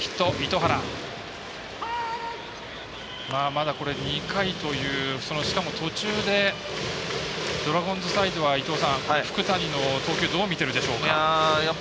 まだ、２回というしかも途中でドラゴンズサイドは福谷の投球どう見てるでしょうか？